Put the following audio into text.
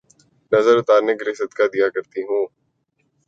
نظر اتارنے کیلئے صدقہ دیا کرتی ہوں